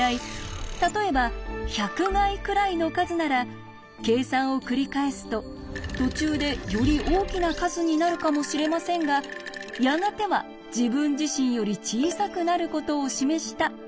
例えば１００垓くらいの数なら計算をくりかえすと途中でより大きな数になるかもしれませんがやがては自分自身より小さくなることを示したということを意味します。